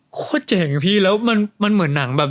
เจ๋งพี่แล้วมันเหมือนหนังแบบ